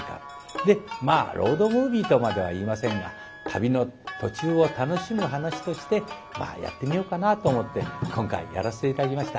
でまあロードムービーとまでは言いませんが旅の途中を楽しむ噺としてやってみようかなと思って今回やらせて頂きました。